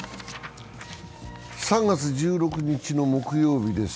３月１６日の木曜日です。